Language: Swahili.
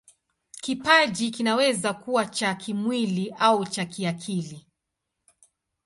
Kipaji kinaweza kuwa cha kimwili au cha kiakili.